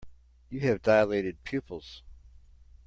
You have dilated pupils.